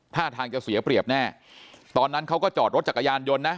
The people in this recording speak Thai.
ท่าทางจะเสียเปรียบแน่ตอนนั้นเขาก็จอดรถจักรยานยนต์นะ